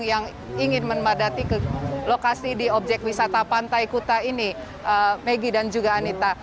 yang ingin memadati lokasi di objek wisata pantai kuta ini megi dan juga anita